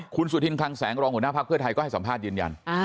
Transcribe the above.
คุณสุธินคลังแสงรองหัวหน้าภักดิ์เพื่อไทยก็ให้สัมภาษณ์ยืนยัน